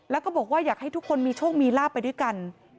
แล้วก็บอกว่าอยากให้ทุกคนมีโชคมีลาบไปด้วยกัน